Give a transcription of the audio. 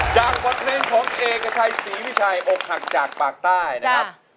บทเพลงของเอกชัยศรีวิชัยอกหักจากปากใต้นะครับ